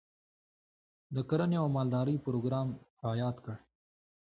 د کرنې او مالدارۍ پروګرام رایاد کړ.